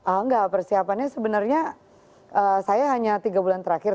enggak persiapannya sebenarnya saya hanya tiga bulan terakhir